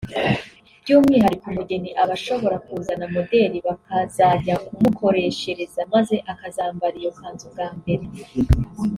By'umwihariko umugeni aba ashobora kuzana modele bakazajya kumukoreshereza maze akazambara iyo kanzu bwa mbere